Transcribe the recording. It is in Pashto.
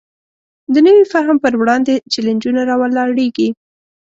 د نوي فهم پر وړاندې چلینجونه راولاړېږي.